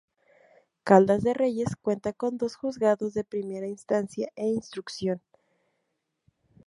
Caldas de Reyes cuenta con dos Juzgados de Primera Instancia e Instrucción.